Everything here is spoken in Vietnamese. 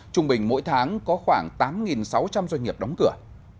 trung bình mỗi tháng có khoảng tám sáu trăm linh doanh nghiệp đóng cửa